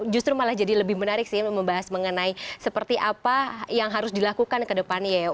justru malah jadi lebih menarik sih membahas mengenai seperti apa yang harus dilakukan ke depannya ya